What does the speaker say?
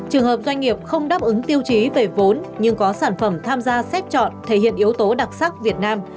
trường hợp doanh nghiệp không đáp ứng tiêu chí về vốn nhưng có sản phẩm tham gia xét chọn thể hiện yếu tố đặc sắc việt nam